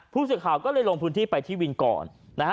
ผู้สื่อข่าวก็เลยลงพื้นที่ไปที่วินก่อนนะฮะ